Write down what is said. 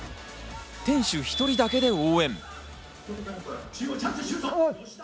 店主１人だけで応援。